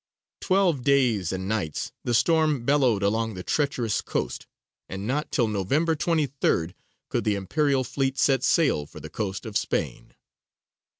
Twelve days and nights the storm bellowed along the treacherous coast, and not till November 23rd could the Imperial fleet set sail for the coast of Spain.